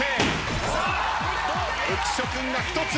浮所君が１つ。